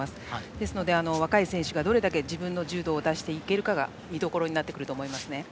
ですので、若い選手がどれだけ自分の柔道を出していけるかが見どころになってくると思います。